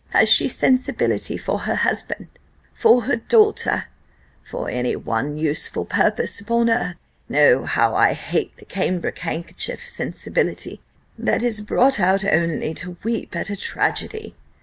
Has she sensibility for her husband for her daughter for any one useful purpose upon earth? Oh, how I hate the cambric handkerchief sensibility that is brought out only to weep at a tragedy!